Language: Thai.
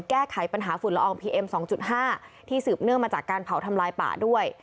แก้ไขปัญหาฝุ่นละอองพีเอ็ม๒๕ที่สืบเนื่องมาจากการเผาทำลายป่าด้วย